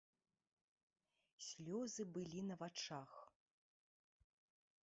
Слёзы былі на вачах.